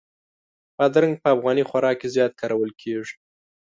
بادرنګ په افغاني خوراک کې زیات کارول کېږي.